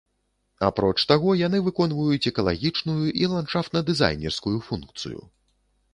Апроч таго, яны выконваюць экалагічную і ландшафтна-дызайнерскую функцыю.